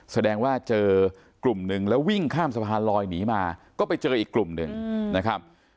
แสดงว่าเจอกลุ่มหนึ่งแล้ววิ่งข้ามสะพานลอยหนีมาก็ไปเจออีกกลุ่มหนึ่งนะครับ